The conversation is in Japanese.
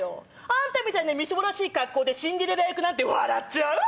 あんたみたいなみすぼらしい格好でシンデレラ役なんて笑っちゃうわ。